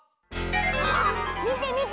あっみてみて！